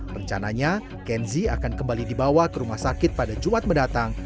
rencananya kenzi akan kembali dibawa ke rumah sakit pada jumat mendatang